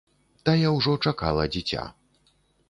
Тая ўжо чакала дзіця.